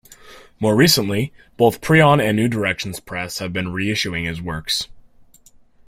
More recently, both Prion and New Directions Press have been reissuing his works.